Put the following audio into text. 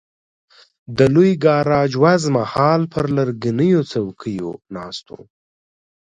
د لوی ګاراج وزمه هال پر لرګینو څوکیو ناست وو.